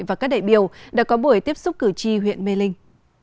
và các đại biểu đã có buổi tiếp xúc cử tri huyện mê linh